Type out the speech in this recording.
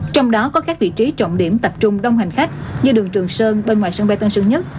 trong đó có các vị trí trọng điểm tập trung đông hành khách như đường trường sơn bên ngoài sân bay tân sơn nhất